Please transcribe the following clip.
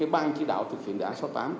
ban chỉ đạo thực hiện đề án sáu mươi tám